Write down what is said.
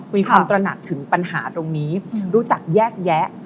มีความตระหนักถึงปัญหาตรงนี้รู้จักแยกแยะ